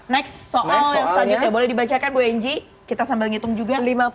next soal yang selanjutnya boleh dibacakan bu enge kita sambil ngitung juga